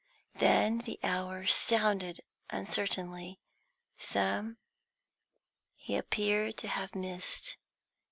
Then the hours sounded uncertainly; some he appeared to have missed.